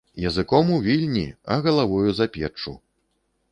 Языком у Вільні, а галавою – за печчу